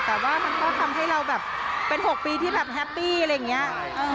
แต่ว่ามันก็ทำให้เราแบบเป็น๖ปีที่แบบแฮปปี้อะไรอย่างนี้